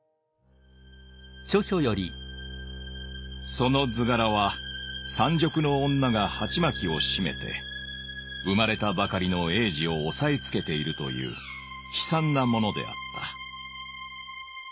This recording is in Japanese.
「その図柄は産褥の女がはちまきを締めて生まれたばかりの嬰児を抑えつけているという悲惨なものであった。